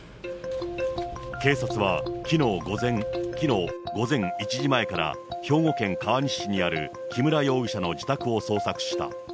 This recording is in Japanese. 警察はきのう午前１時前から、兵庫県川西市にある木村容疑者の自宅を捜索した。